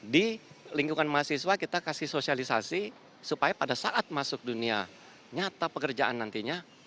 di lingkungan mahasiswa kita kasih sosialisasi supaya pada saat masuk dunia nyata pekerjaan nantinya